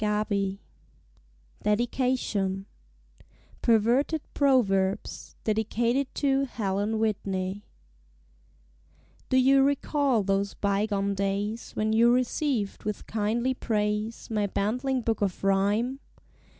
PERVERTED PROVERBS Perverted Proverbs Dedicated to Helen Whitney Do you recall those bygone days, When you received with kindly praise My bantling book of Rhyme?